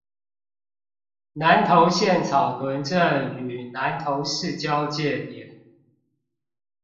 南投縣草屯鎮與南投市交界點